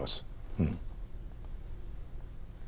うん。